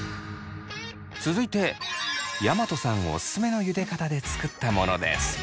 続いて大和さんおすすめのゆで方で作ったものです。